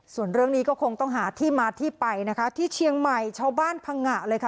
ส่วนเรื่องนี้ก็คงต้องหาที่มาที่ไปนะคะที่เชียงใหม่ชาวบ้านพังงะเลยค่ะ